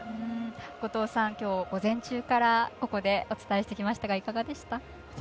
後藤さんきょう午前中からここでお伝えしてきましたがいかがでしたか？